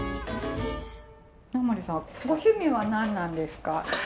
稲森さんご趣味は何なんですか？